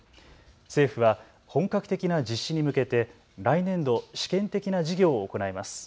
政府は本格的な実施に向けて来年度、試験的な事業を行います。